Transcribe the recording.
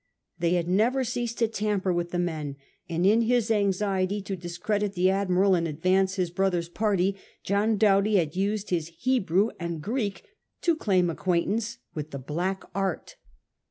They had never ceased to tamper with the men, and in his anxiety to discredit the Admiral and advance his brother's party, John Doughty had used his Hebrew and Greek to claim acquaint ance with the black art.